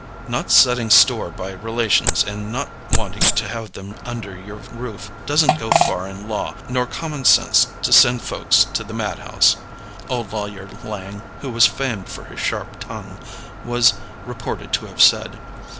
"Not setting store by relations, and not wanting to have them under your roof, doesn't go far in law nor common sense to send folks to the madhouse," old Lawyer Lang, who was famed for his sharp tongue, was reported to have said.